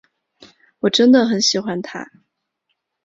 我真的很喜欢他。